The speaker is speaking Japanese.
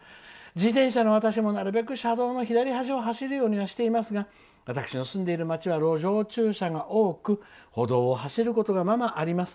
自転車の私もなるべく車道の左端を走るようにはしていますが私の住んでいる街は路上駐車が多く歩道を走ることがままあります。